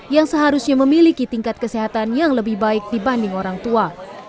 yang seharusnya memiliki tingkat kesehatan yang lebih baik dibanding orang tua